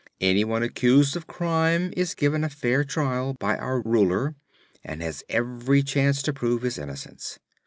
"Anyone accused of crime is given a fair trial by our Ruler and has every chance to prove his innocence.